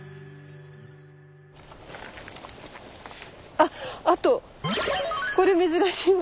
ああとこれ珍しいもの。